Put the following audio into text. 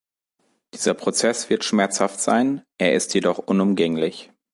Dieser Prozess wird schmerzhaft sein, er ist jedoch unumgänglich.